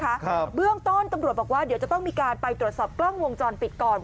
ครับเบื้องต้นตำรวจบอกว่าเดี๋ยวจะต้องมีการไปตรวจสอบกล้องวงจรปิดก่อน